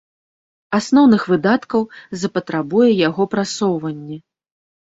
Асноўных выдаткаў запатрабуе яго прасоўванне.